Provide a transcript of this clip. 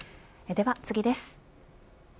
では次です。